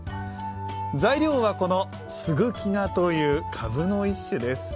材料は、すぐき菜というかぶの一種です。